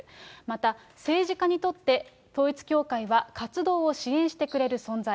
また、政治家にとって統一教会は活動を支援してくれる存在。